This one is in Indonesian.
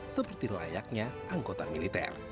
seperti layaknya anggota militer